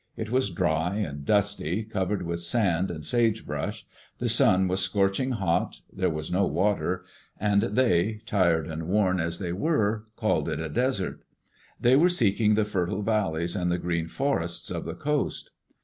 It was dry and dusty, covered with sand and sagebrush; the sun was scorching hot, there was no water, and they, tired and worn as they were, called it a desert They were seeking the fertile valleys and the green forests of the coast.